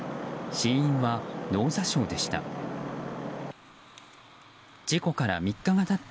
死因は脳挫傷でした。